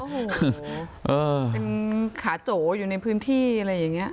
โอ้โหเป็นขาโจอยู่ในพื้นที่อะไรอย่างนี้